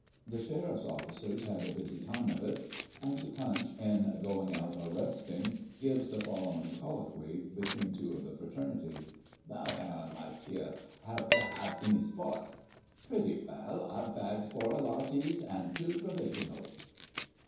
[1846 The Sheriff's Officers had a busy time of it, and Punch, in "Going Out Arresting/' gives the following colloquy between two of the fraternity :"' Veil, Aajon, my tear, have yer 'ad any sport ?'"' Pretty veil, I've bagged four Allottees, and two Pro visionals